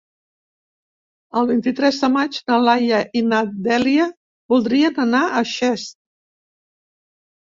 El vint-i-tres de maig na Laia i na Dèlia voldrien anar a Xest.